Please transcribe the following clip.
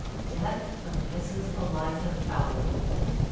DEATH OF MRS. ELIZA FOWLER.